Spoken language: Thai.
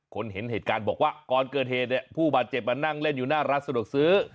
เห็นเหตุการณ์บอกว่าก่อนเกิดเหตุเนี่ยผู้บาดเจ็บมานั่งเล่นอยู่หน้าร้านสะดวกซื้อ